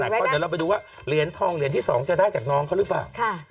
แต่ก็เดี๋ยวเราไปดูว่าเหรียญทองเหรียญที่๒จะได้จากน้องเขาหรือเปล่า